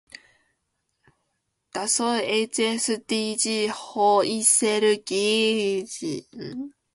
だそい ｈｓｄｇ ほ；いせるぎ ｌｈｓｇ